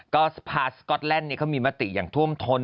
ก็พาสก็อตแลนด์มีมติอย่างท่วมท้น